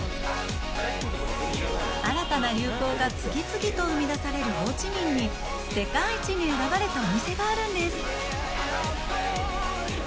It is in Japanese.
新たな流行が次々と生み出されるホーチミンに、世界一に選ばれたお店があるんです。